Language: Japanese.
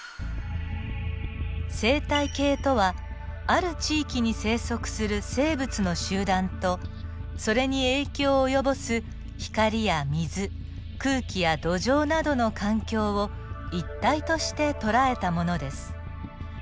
生態系とはある地域に生息する生物の集団とそれに影響を及ぼす光や水空気や土壌などの環境を一体として捉えたものです。